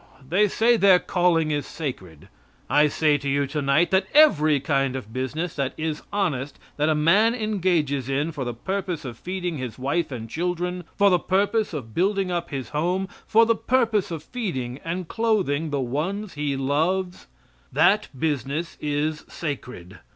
They say their calling is sacred. I say to you tonight that every kind of business that is honest that a man engages in for the purpose of feeding his wife and children, for the purpose of building up his home, for the purpose of feeding and clothing the ones he loves that business is sacred.